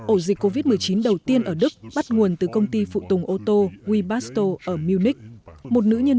ổ dịch covid một mươi chín đầu tiên ở đức bắt nguồn từ công ty phụ tùng ô tô webasto ở munich một nữ nhân